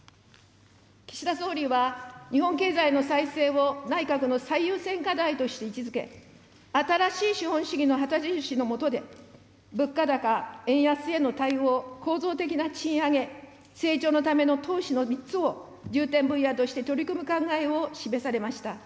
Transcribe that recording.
岸田総理は日本経済の再生を内閣の最優先課題として位置づけ、新しい資本主義の旗印の下で、物価高・円安への対応、構造的な賃上げ、成長のための投資の３つを、重点分野として取り組む考えを示されました。